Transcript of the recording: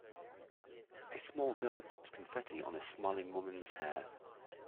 A small girl puts confetti on a smiling woman 's hair.